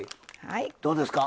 どうですか？